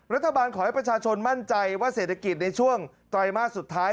รัฐบาลขอให้ประชาชนมั่นใจว่าเศรษฐกิจในช่วงไตรมาสสุดท้าย